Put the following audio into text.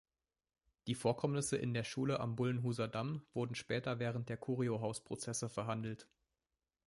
Die Vorkommnisse in der Schule am Bullenhuser Damm wurden später während der Curiohaus-Prozesse verhandelt.